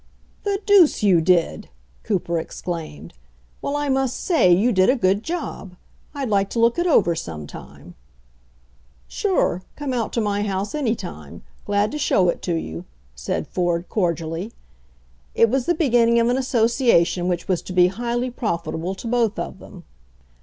"The deuce you did!" Cooper exclaimed. "Well, I must say you did a good job. I'd like to look it over some time." "Sure ; come out to my house any time. Glad to show it to you," said Ford cordially. It was the beginning of an association which was to be highly profitable to both of them.